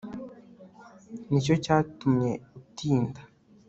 nicyo cyatumye utinda